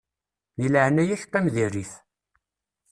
Di leɛnaya-k qqim di rrif.